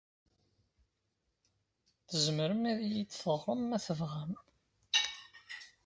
Tzemrem ad iyi-d-teɣrem, ma tebɣam.